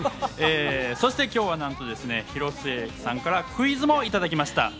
そして今日はなんと広末さんからクイズもいただきました。